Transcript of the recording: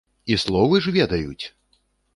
І словы ж ведаюць!